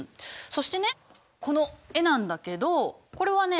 そしてねこの絵なんだけどこれはね